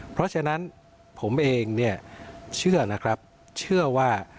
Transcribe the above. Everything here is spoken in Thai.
เพราะฉะนั้นผมเองเชื่อว่า